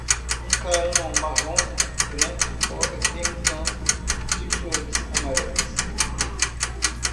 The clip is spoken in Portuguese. Um cão marrom e branco corre em um campo de flores amarelas.